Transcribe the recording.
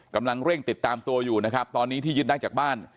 กำลังเร่งติดตามตัวอยู่นะครับตอนนี้ที่ยึดได้จากบ้าน